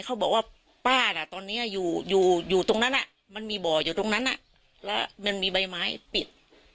เขาบอกว่าป้าน่ะตอนนี้อยู่อยู่ตรงนั้นมันมีบ่ออยู่ตรงนั้นแล้วมันมีใบไม้ปิด